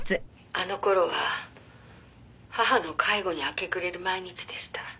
「あの頃は義母の介護に明け暮れる毎日でした」